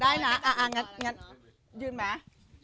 ได้ไหมได้นะอะงั้นยืนไหม